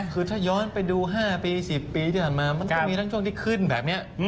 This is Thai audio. คือถ้าย้อนไปดู๕ปี๑๐ปีที่ผ่านมามันก็มีทั้งช่วงที่ขึ้นแบบนี้